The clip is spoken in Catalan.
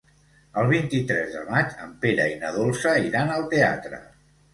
El vint-i-tres de maig en Pere i na Dolça iran al teatre.